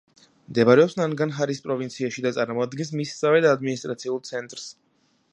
მდებარეობს ნანგარჰარის პროვინციაში და წარმოადგენს მისსავე ადმინისტრაციულ ცენტრს.